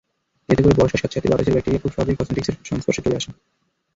এতে করে বর্ষার স্যাঁতসেঁতে বাতাসের ব্যাকটেরিয়া খুব সহজেই কসমেটিকসের সংস্পর্শে চলে আসে।